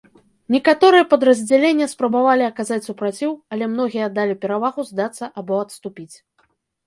Некаторыя падраздзялення спрабавалі аказаць супраціў, але многія аддалі перавагу здацца або адступіць.